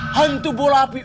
hantu bola api